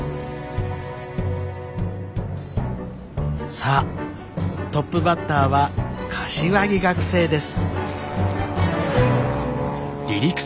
さあトップバッターは柏木学生です。